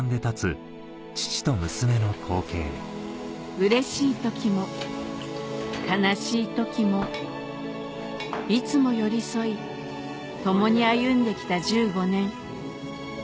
うれしい時も悲しい時もいつも寄り添い共に歩んできた１５年